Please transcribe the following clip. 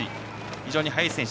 非常に速い選手。